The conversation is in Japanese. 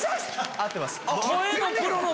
合ってます。